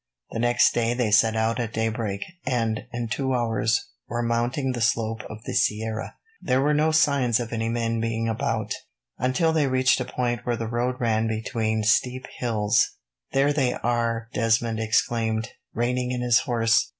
The next day they set out at daybreak, and, in two hours, were mounting the slope of the sierra. There were no signs of any men being about, until they reached a point where the road ran between steep hills. "There they are," Desmond exclaimed, reining in his horse.